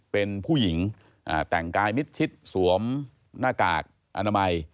เป็นผู้หญิงแต่งกายมิดชิดสวมหน้ากากอนามัย